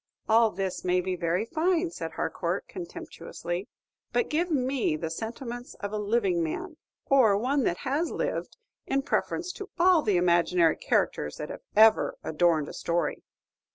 "All this may be very fine," said Harcourt, contemptuously, "but give me the sentiments of a living man, or one that has lived, in preference to all the imaginary characters that have ever adorned a story."